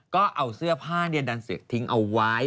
ก็เอาเสื้อผ้าดันเสียกทิ้งเอาไว้